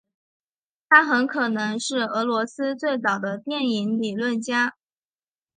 他很可能是俄罗斯最早的电影理论家。